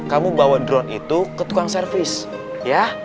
kamu bawa drone itu ke tukang servis ya